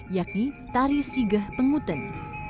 yakni tari sigah penghutan